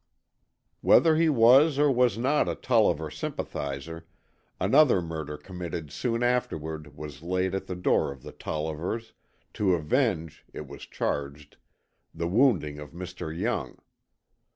Whether he was or was not a Tolliver sympathizer, another murder committed soon afterwards was laid at the door of the Tollivers, to avenge, it was charged, the wounding of Mr. Young.